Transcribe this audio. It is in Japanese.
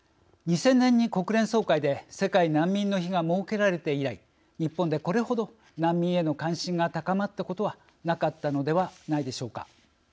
２０００年に国連総会で世界難民の日が設けられて以来日本で、これほど難民への関心が高まったことはなかったのではないでしょうか。